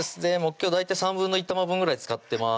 今日大体１／３玉分ぐらい使ってます